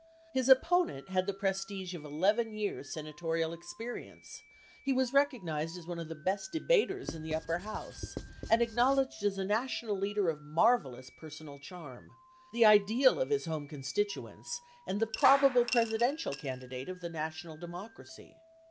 His op ponent had the prestige of eleven years' senatorial experience, he was recognized as one of the best debaters in the upper house, and acknowledged as a national leader of marvelous personal charm — the ideal of his home constituents, and the probable Presidential candidate of the national Democracy.